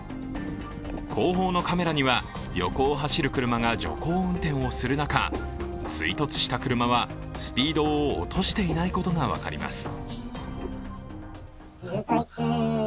後方のカメラには、横を走る車が徐行運転をする中追突した車はスピードを落としていないことが分かります。